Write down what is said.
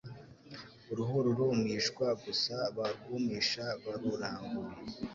uruhu rurumishwa, gusa barwumisha barurambuye